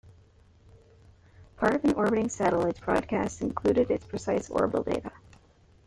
Part of an orbiting satellite's broadcast included its precise orbital data.